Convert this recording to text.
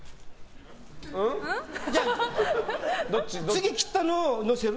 次、切ったのをのせる？